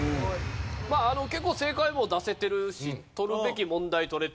まあ結構正解も出せてるし取るべき問題取れて。